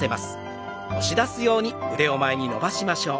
押し出すように前に伸ばしましょう。